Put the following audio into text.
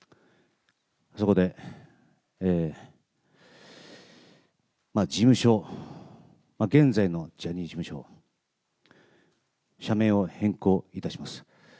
そこで事務所、現在のジャニーズ事務所、社名を変更いたします。